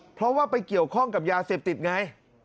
เพราะว่าไปเกี่ยวข้องกับยาเสพติดไง